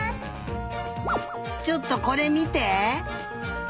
ちょっとこれみて。